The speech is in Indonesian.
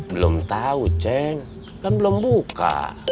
belum tau ceng kan belum buka